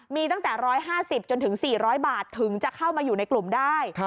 มีตั้งแต่๑๕๐จนถึง๔๐๐บาทถึงจะเข้ามาอยู่ในกลุ่มได้